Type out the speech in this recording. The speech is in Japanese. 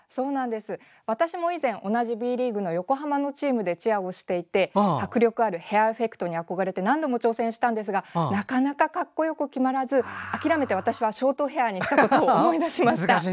私も以前同じＢリーグの横浜のチームでチアをしていたのですが迫力あるヘアエフェクトに憧れて何度も挑戦したんですがなかなか格好よくならず諦めて私はショートヘアにしたことを思い出しました。